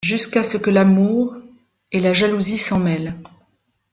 Jusqu'à ce que l'amour... et la jalousie s'en mêlent.